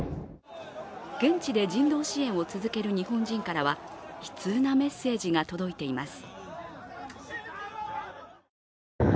現地で人道支援を続ける日本人からは悲痛なメッセージが届いています。